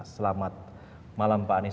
selamat malam pak anies